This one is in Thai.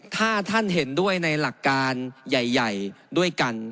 ถ้าท่านเห็นด้วยในหลักการใหญ่ด้วยกัน